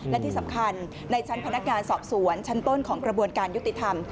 และที่สำคัญในชั้นพนักงานสอบสวนชั้นต้นของกระบวนการยุติธรรม